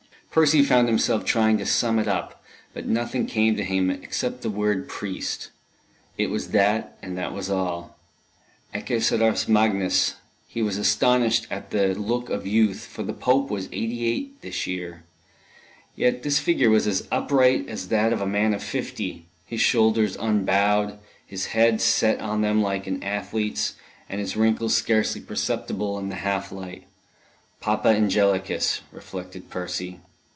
Percy found himself trying to sum it up, but nothing came to him except the word "priest." It was that, and that was all. Ecce sacerdos magnus! He was astonished at the look of youth, for the Pope was eighty eight this year; yet his figure was as upright as that of a man of fifty, his shoulders unbowed, his head set on them like an athlete's, and his wrinkles scarcely perceptible in the half light. Papa Angelicus! reflected Percy.